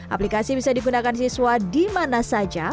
aplikasi bisa digunakan siswa di mana saja